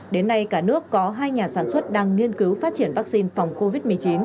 đến nay cả nước có hai nhà sản xuất đang nghiên cứu phát triển vaccine phòng covid một mươi chín